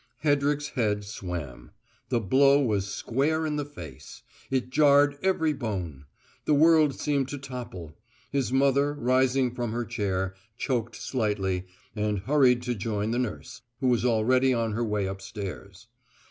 Hedrick's head swam. The blow was square in the face; it jarred every bone; the world seemed to topple. His mother, rising from her chair, choked slightly, and hurried to join the nurse, who was already on her way upstairs.